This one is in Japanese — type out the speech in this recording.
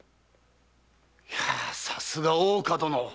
さすが大岡殿！